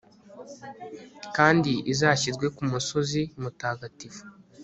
kandi izashyirwe ku musozi mutagatifu